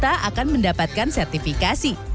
barista akan mendapatkan sertifikasi